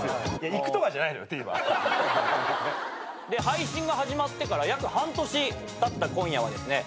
配信が始まってから約半年たった今夜はですね